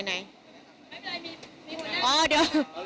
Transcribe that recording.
อ๋อเดี๋ยวเอาเลย